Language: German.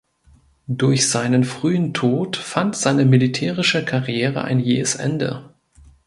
Durch seinen frühen Tod fand seine militärische Karriere ein jähes Ende.